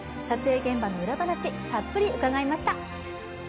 撮影現場の裏話、たっぷり伺いました。